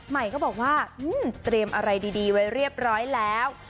ใหม่ก็บอกว่าเตรียมอะไรดีไว้เรียบร้อยแล้ว